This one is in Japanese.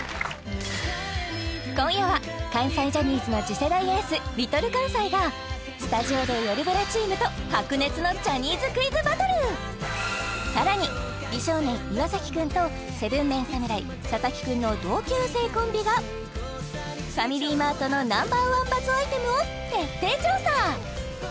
今夜は関西ジャニーズの次世代エースＬｉｌかんさいがスタジオでよるブラチームと白熱のさらに美少年岩くんと７ＭＥＮ侍佐々木くんの同級生コンビがファミリーマートのＮｏ．１バズアイテムを徹底調査